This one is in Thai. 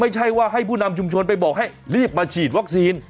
ไม่ใช่ว่าให้ผู้นำชุมชนไปบอกให้รีบมาฉีดวัคซีน